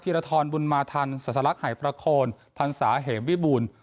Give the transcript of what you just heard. ธีรธรบุญมาธรรมศรัสลักษณ์หายประโคนพรรณสาเหงวิบูรณ์